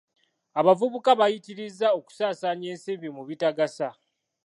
Abavubuka bayitirizza okusaasaanya ensimbi mu bitagasa.